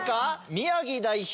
宮城代表